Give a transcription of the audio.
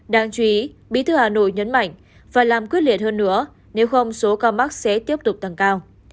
đáng chú ý bí thư hà nội nhấn mạnh phải làm quyết liệt hơn nữa nếu không số ca mắc sẽ tiếp tục tăng cao